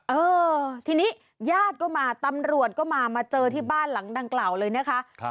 เออทีนี้ญาติก็มาตำรวจก็มามาเจอที่บ้านหลังดังกล่าวเลยนะคะ